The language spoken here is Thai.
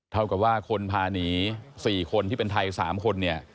เท่ากับว่าคนพาหนี๔คนที่เป็นไทย๓คนเนี่ย